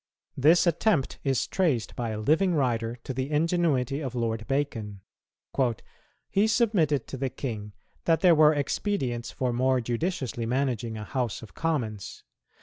This attempt is traced by a living writer to the ingenuity of Lord Bacon. "He submitted to the King that there were expedients for more judiciously managing a House of Commons